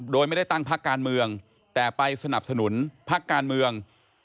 โดยไม่ได้ตั้งพักการเมืองแต่ไปสนับสนุนพักการเมือง